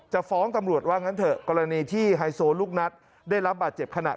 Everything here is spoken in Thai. ฟ้องตำรวจว่างั้นเถอะกรณีที่ไฮโซลูกนัดได้รับบาดเจ็บขณะ